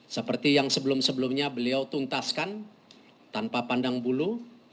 seperti yang sebelum sebelumnya beliau tuntaskan tanpa pandang bulu